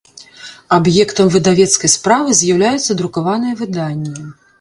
Аб’ектам выдавецкай справы з’яўляюцца друкаваныя выданнi.